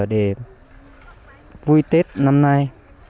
để vui tết năm nay